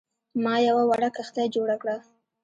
ما یوه وړه کښتۍ جوړه کړه.